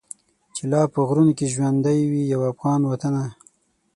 چي لا په غرونو کي ژوندی وي یو افغان وطنه.